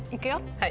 はい。